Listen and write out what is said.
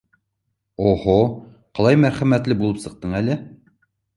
— О-һо, ҡалай мәрхәмәтле булып сыҡтың әле!